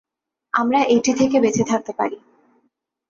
আমরা এটি থেকে বেঁচে থাকতে পারি।